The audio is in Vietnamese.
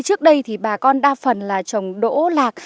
trước đây thì bà con đa phần là trồng đỗ lạc